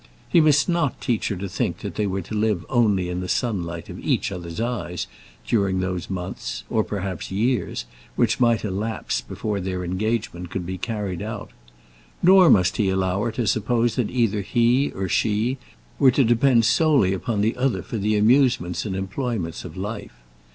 He must not teach her to think that they were to live only in the sunlight of each other's eyes during those months, or perhaps years, which must elapse before their engagement could be carried out. Nor must he allow her to suppose that either he or she were to depend solely upon the other for the amusements and employments of life.